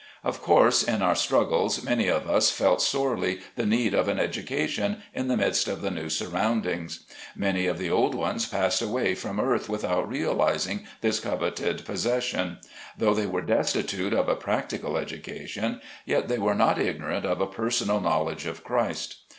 Of course, in our struggles, many of us felt sorely the need of an education in the midst of the new surroundings. Many of the old ones passed away from earth without realizing this coveted pos session. Though they were destitute of a practical education, yet they were not ignorant of a personal knowledge of Christ.